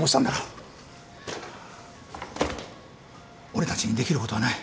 俺たちにできることはない。